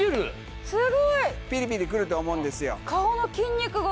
ピリピリくると思うんですよ。